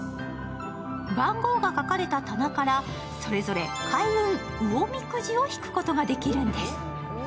番号が書かれた棚から、それぞれ開運うおみくじを引くことができるんです。